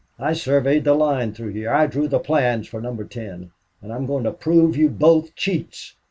I surveyed the line through here. I drew the plans for Number Ten. And I'm going to prove you both cheats.